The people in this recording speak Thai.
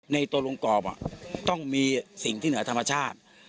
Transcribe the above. ในตัวลงกรอบต้องมีสิ่งที่เหนือธรรมชาติ